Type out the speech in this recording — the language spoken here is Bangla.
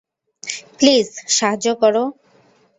প্লিজ, সাহায্য করো!